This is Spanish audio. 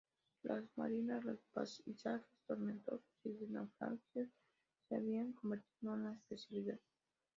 Las marinas, los paisajes tormentosos y de naufragios se habían convertido en su especialidad.